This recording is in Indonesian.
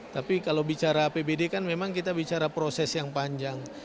tapi kalau bicara apbd kan memang kita bicara proses yang panjang